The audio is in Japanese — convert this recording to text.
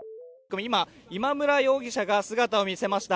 今、今村容疑者が姿を見せました